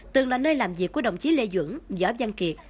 từng là nơi làm việc của đồng chí lê dưỡng giáp giang kiệt